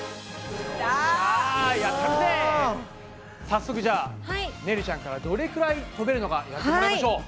早速じゃあねるちゃんからどれくらいとべるのかやってもらいましょう。